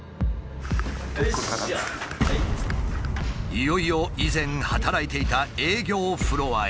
いよいよ以前働いていた営業フロアへ。